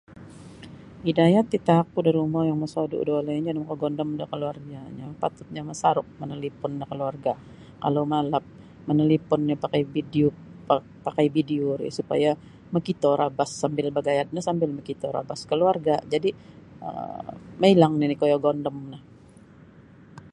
Idayat itaakku da rumo yang mosodu da walainyo jaan makagondom da kaluarganyo patutnyo masaruk manalipon da kaluarga kalau malap manalipon iyo pakai video pakai video ri supaya makito rabas sambil bagayad no sambil mokito rabas kaluarga jadi mailang nini koyo gondom no.